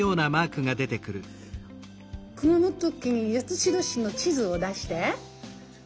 熊本県八代市の地図を出して。